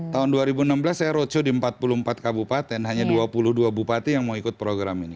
tahun dua ribu enam belas saya roadshow di empat puluh empat kabupaten hanya dua puluh dua bupati yang mau ikut program ini